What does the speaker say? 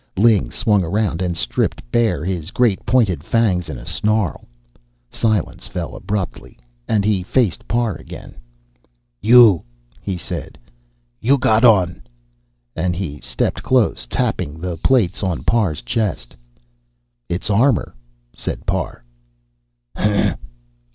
Ling swung around and stripped bare his great pointed fangs in a snarl. Silence fell abruptly, and he faced Parr again. "You," he said. "You got on " And he stepped close, tapping the plates on Parr's chest. "It's armor," said Parr.